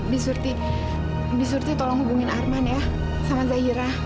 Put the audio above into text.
bisurti bisurti tolong hubungin arman ya sama zahira